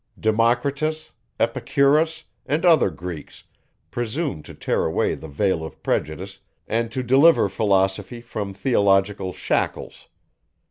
Democritus, Epicurus, and other Greeks presumed to tear away the veil of prejudice, and to deliver philosophy from theological shackles.